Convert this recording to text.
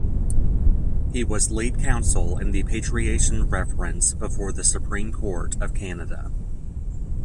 He was lead counsel in the Patriation Reference before the Supreme Court of Canada.